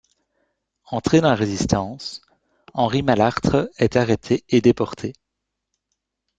Entré dans la Résistance, Henri Malartre est arrêté et déporté.